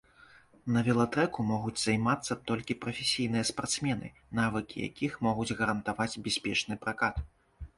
На велатрэку могуць займацца толькі прафесійныя спартсмены, навыкі якіх могуць гарантаваць бяспечны пракат.